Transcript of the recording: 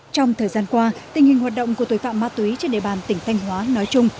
trong thời gian qua tình hình hoạt động của tội phạm ma túy trên địa bàn tỉnh thanh hóa nói chung